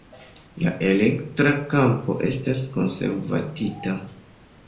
La elektra kampo estas konservativa.